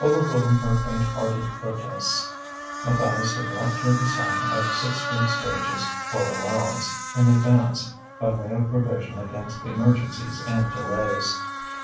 Overruling her faint hearted protests, Matthias had left her the sum of six weeks' wages (or allowance) in advance, by way of provision against emergencies and delays.